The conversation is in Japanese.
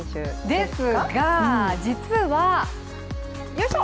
ですが、実はよいしょ！